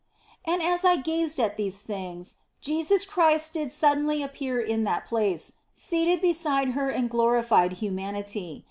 And as I gazed at these things, Jesus Christ did sud denly appear in that place, seated beside her in glorified humanity.